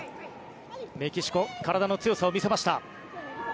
メキシコ体の強さを見せました。